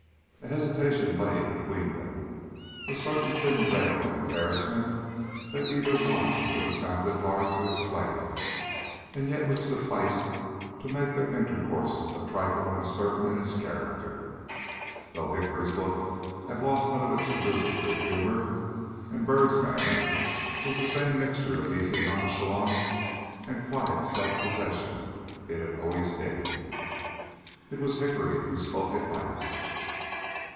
A hesitation lay between them; a certain thin vail of embarrassment that either one would have found it hard to explain, and yet which sufficed to make their intercourse a trifle uncertain in its character, though Hickory's look had lost none of its rude good humor, and Byrd's manner was the same mixture of easy nonchalance and quiet self possession it had always been. It was Hickory who spoke at last.